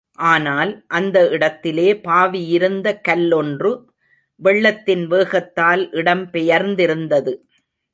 ஆனால், அந்த இடத்திலே பாவியிருந்த கல்லொன்று வெள்ளத்தின் வேகத்தால் இடம் பெயர்ந்திருந்தது.